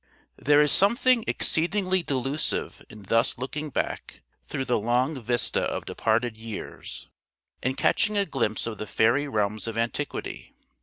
There is something exceedingly delusive in thus looking back, through the long vista of departed years, and catching a glimpse of the fairy realms of antiquity.